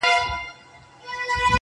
تمه نه وه د پاچا له عدالته!!